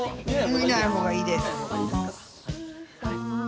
見ない方がいいです。